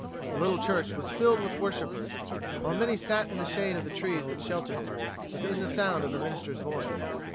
The little church was filled with worshipers, while many sat in the shade of the trees that sheltered it, within the sound of the minister's voice.